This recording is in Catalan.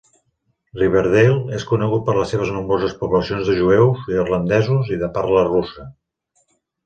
Riverdale és conegut per les seves nombroses poblacions de jueus, irlandesos i de parla russa.